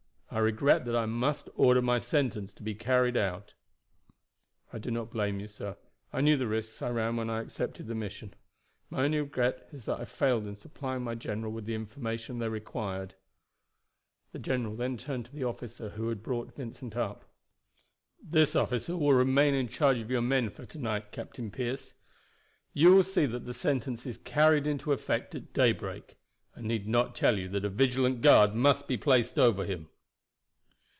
I regret that I must order my sentence to be carried out." "I do not blame you, sir. I knew the risks I ran when I accepted the mission. My only regret is that I failed in supplying my general with the information they required." The general then turned to the officer who had brought Vincent up. "This officer will remain in charge of your men for to night, Captain Pearce. You will see that the sentence is carried into effect at daybreak. I need not tell you that a vigilant guard must be placed over him."